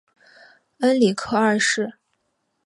恩里克二世。